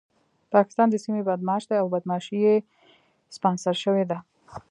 پاکستان د سيمې بدمعاش دی او بدمعاشي يې سپانسر شوې ده.